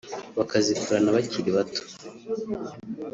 bakazikurana bakiri bato